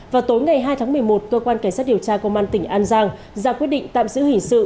vào tối ngày hai tháng một mươi một cơ quan cảnh sát điều tra công an tỉnh an giang ra quyết định tạm giữ hình sự